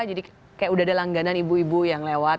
jadi kayak udah ada langganan ibu ibu yang lewat